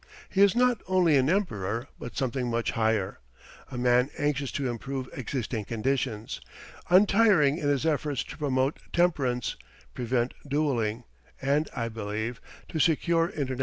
He is not only an Emperor, but something much higher a man anxious to improve existing conditions, untiring in his efforts to promote temperance, prevent dueling, and, I believe, to secure International Peace.